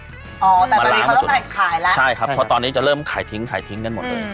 อ๋อแต่ตอนนี้เขาต้องไปขายแล้วใช่ครับเพราะตอนนี้จะเริ่มขายทิ้งกันหมดเลย